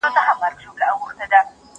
ته ولي نان خورې!.